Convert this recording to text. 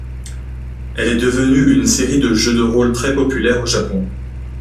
Elle est devenue une série de jeux de rôle très populaires au Japon.